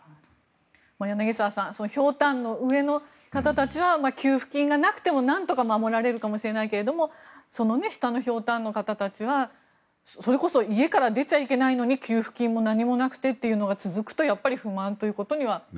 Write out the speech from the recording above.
柳澤さんひょうたんの上の方たちは給付金がなくても守られるかもしれないけど下のひょうたんの方たちはそれこそ家から出ちゃいけないのに給付金も何もなくてというのはやっぱり不満ということにはなりますね。